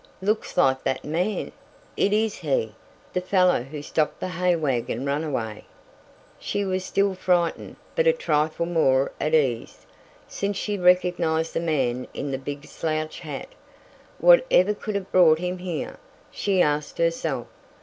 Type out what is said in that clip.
"Looks like that man! It is he! The fellow who stopped the hay wagon runaway!" She was still frightened, but a trifle more at ease, since she recognized the man in the big slouch hat. "Whatever could have brought him here?" she asked herself.